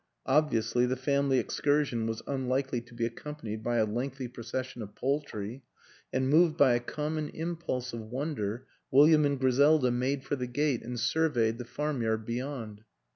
Obviously the family excursion was un likely to be accompanied by a lengthy procession of poultry; and moved by a common impulse of wonder William and Griselda made for the gate and surveyed the farmyard beyond.